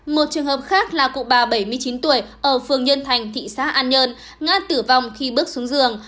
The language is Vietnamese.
một trường hợp khác là cụ bà bảy mươi chín tuổi ở phường nhân thành thị xã an nhơn ngã tử vong khi bước xuống giường